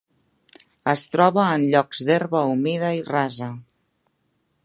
Es troba en llocs d'herba humida i rasa.